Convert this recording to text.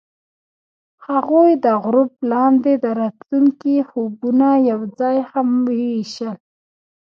هغوی د غروب لاندې د راتلونکي خوبونه یوځای هم وویشل.